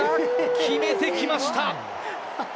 決めてきました。